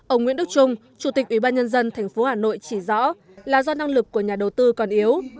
ông nguyễn đức trung chủ tịch ủy ban nhân dân tp hà nội chỉ rõ là do năng lực của nhà đầu tư còn yếu